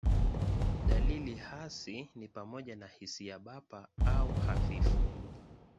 Dalili hasi ni pamoja na hisia bapa au hafifu.